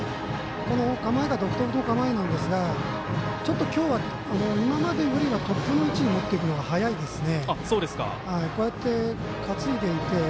構えが独特の構えなんですがちょっと今日は今までよりはトップの位置に持っていくのが早いですね。